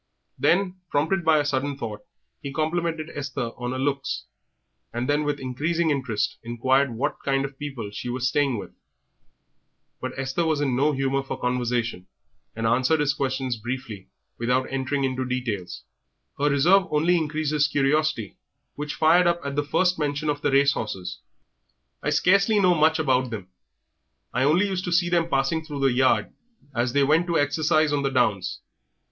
Then, prompted by a sudden thought, he complimented Esther on her looks, and then, with increasing interest, inquired what kind of people she was staying with. But Esther was in no humour for conversation, and answered his questions briefly without entering into details. Her reserve only increased his curiosity, which fired up at the first mention of the race horses. "I scarcely know much about them. I only used to see them passing through the yard as they went to exercise on the downs.